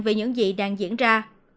về những gì đang diễn ra